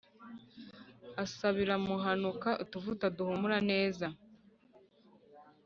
Asabira muhanuka utuvuta duhumura neza